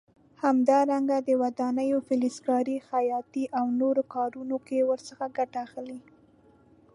همدارنګه د ودانیو، فلزکارۍ، خیاطۍ او نورو کارونو کې ورڅخه ګټه اخلي.